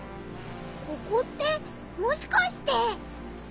ここってもしかして。